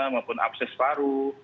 maupun akses paru